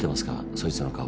そいつの顔。